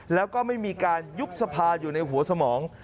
แล้วก็ไม่มีการยุบสภาอยู่ในหัวสมอง